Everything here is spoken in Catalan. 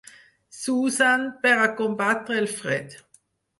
S'usen per a combatre el fred.